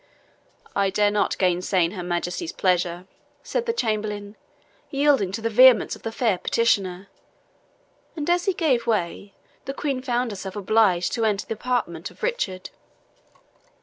"I dare not gainsay her Majesty's pleasure," said the chamberlain, yielding to the vehemence of the fair petitioner; and as he gave way, the Queen found herself obliged to enter the apartment of Richard.